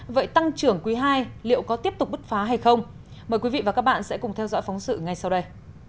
vậy tăng trưởng quý hai liệu có tiếp tục bứt phá hay không mời quý vị và các bạn sẽ cùng theo dõi phóng sự ngay sau đây